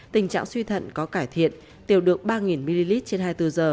tình trạng suy thận có cải thiện tiêu được ba ml trên hai mươi bốn h